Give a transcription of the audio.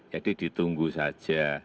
jadi ditunggu saja